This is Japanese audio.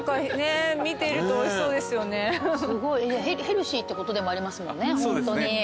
ヘルシーってことでもありますもんね。